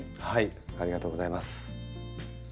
ありがとうございます。